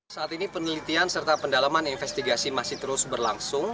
saat ini penelitian serta pendalaman investigasi masih terus berlangsung